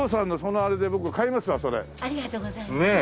ありがとうございます。